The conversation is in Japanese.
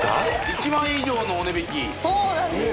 １万円以上のお値引きそうなんです